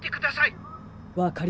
わかりました。